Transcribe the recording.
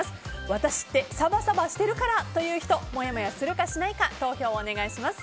私ってサバサバしてるからと言う人もやもやするかしないか投票をお願いします。